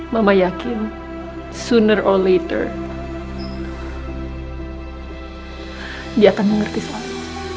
mama yakin sooner or later dia akan mengerti selalu